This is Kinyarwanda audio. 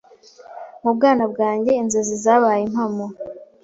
Mu bwana bwanjye inzozi zabaye impamo